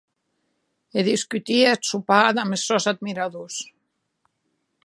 E discutie eth sopar damb es sòns admiradors.